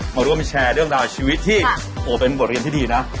มาร่วมแชร์เรื่องราวชีวิตที่โอ้เป็นบทเรียนที่ดีนะ